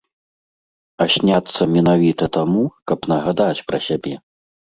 А сняцца менавіта таму, каб нагадаць пра сябе.